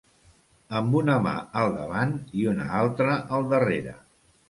Amb una mà al davant i una altra al darrere.